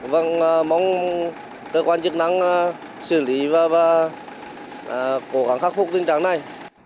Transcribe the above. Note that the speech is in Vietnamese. vâng mong cơ quan chức năng xử lý và cố gắng khắc phục tình trạng này